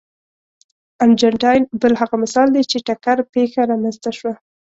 ارجنټاین بل هغه مثال دی چې ټکر پېښه رامنځته شوه.